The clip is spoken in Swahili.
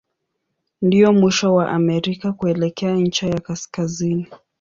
Ndio mwisho wa Amerika kuelekea ncha ya kaskazini.